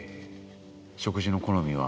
食事の好みは？